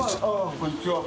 こんにちは。